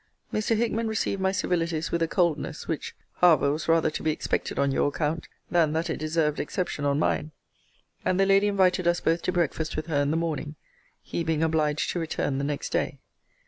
Mr. Hickman received my civilities with a coldness, which, however, was rather to be expected on your account, than that it deserved exception on mine. And the lady invited us both to breakfast with her in the morning; he being obliged to return the next day.